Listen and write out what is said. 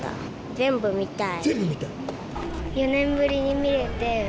全部見たい。